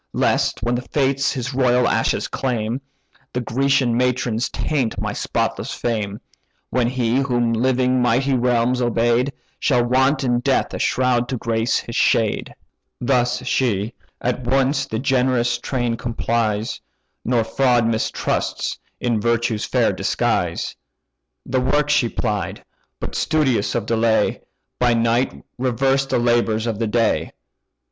Lest when the Fates his royal ashes claim, The Grecian matrons taint my spotless fame; When he, whom living mighty realms obey'd, Shall want in death a shroud to grace his shade.' "Thus she: at once the generous train complies, Nor fraud mistrusts in virtue's fair disguise. The work she plied; but, studious of delay, By night reversed the labours of the day.